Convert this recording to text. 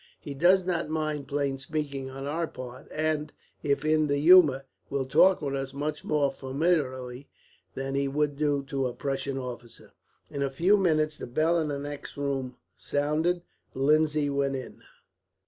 He does not mind plain speaking on our part and, if in the humour, will talk with us much more familiarly than he would do to a Prussian officer." In a few minutes the bell in the next room sounded. Lindsay went in.